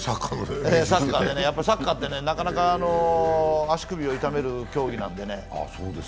サッカーってなかなか足首を痛める競技なんでね。